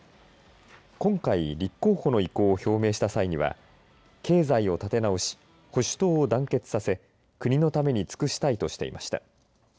今回、立候補の意向を表明した際には、経済を立て直し、保守党を団結させ、国のために尽くしたいとしていました。